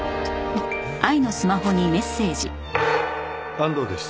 「安藤です」